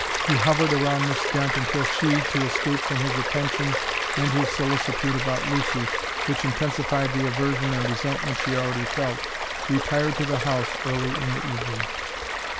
He hovered around Miss Dent until she, to escape from his attention and his solicitude about Lucy, which intensified the aversion and resentment she already felt, retired to the house early in the evening.